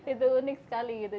itu unik sekali gitu